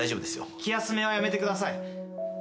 気休めはやめてください。